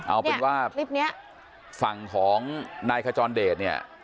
เอาเป็นว่าฝั่งของนายขจรเดชน์